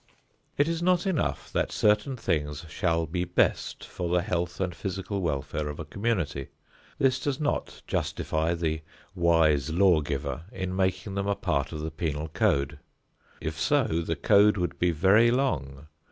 It is not enough that certain things shall be best for the health and physical welfare of a community. This does not justify the wise law giver in making them a part of the penal code. If so, the code would be very long.